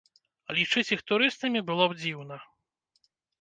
Лічыць іх турыстамі было б дзіўна.